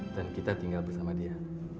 dan kita tinggal bersama dia